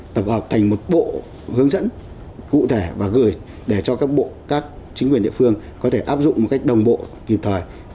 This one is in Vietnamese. tập hợp thành một bộ hướng dẫn cụ thể và gửi để cho các bộ các chính quyền địa phương có thể áp dụng một cách đồng bộ kịp thời